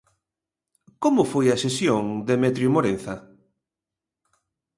Como foi a sesión, Demetrio Morenza?